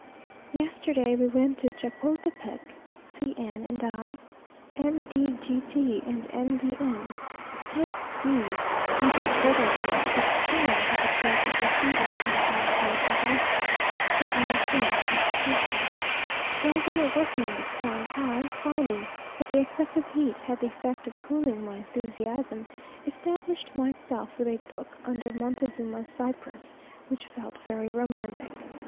Yesterday we went to Chapultepec, C n and I, M. de G t, and M. de N , to take views with the Daguerreotype, which C n had the pleasure of receiving some time ago from Boston, from our friend, Mr. Prescott. While they were working in the sun, I, finding that the excessive heat had the effect of cooling my enthusiasm, established myself with a book under Montezuma's cypress, which felt very romantic.